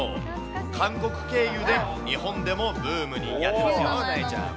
韓国経由で日本でもブームになってますよ、なえちゃん。